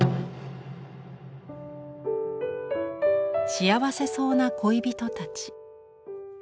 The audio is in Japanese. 幸せそうな恋人たち。